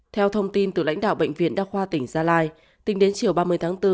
theo thông tin từ lãnh đạo bệnh viện đa khoa tỉnh gia lai tính đến chiều ba mươi tháng bốn